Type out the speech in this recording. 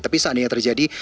tapi seandainya terjadi